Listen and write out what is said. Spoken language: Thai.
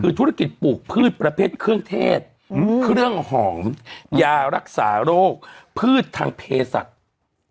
คือธุรกิจปลูกพืชประเภทเครื่องเทศเครื่องหอมยารักษาโรคพืชทางเพศัตริย์